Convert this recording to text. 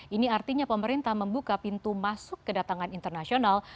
ini artinya pemerintah membuka pintu masuk kedatangan internasional